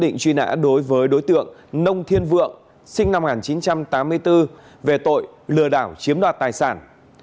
lệnh truy nã đối với đối tượng nông thiên vượng sinh năm một nghìn chín trăm tám mươi bốn về tội lừa đảo chiếm đoạt tài sản